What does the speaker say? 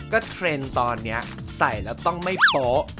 ก็เทรนด์ตอนนี้ใส่แล้วต้องไม่โป๊ะ